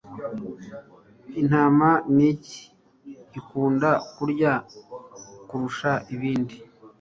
Intama Niki ikunda kurya kurusha ibindi